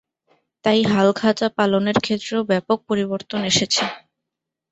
তাই হালখাতা পালনের ক্ষেত্রেও ব্যাপক পরিবর্তন এসেছে।